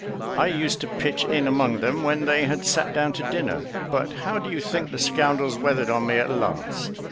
I used to pitch in among them when they had sat down to dinner: but how do you think the scoundrels weathered on me at last?